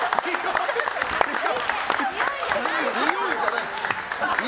においじゃない！